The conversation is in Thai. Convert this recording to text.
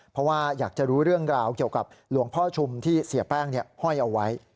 เพราะว่าอยากจะรู้เรื่องราวเกี่ยวกับหลวงพ่อชุมที่เสียแป้งห้อยเอาไว้